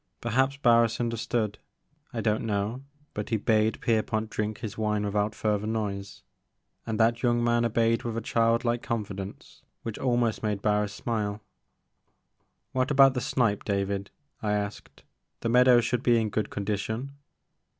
Perhaps Barris understood, — I don't know, but he bade Pierpont drink his wine without further noise, and that young man obeyed with a child like confidence which almost made Barris smile. What about the snipe, David," I asked; the meadows should be in good condition."